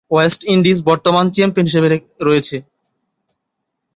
West Indies বর্তমান champion হিসেবে রয়েছে।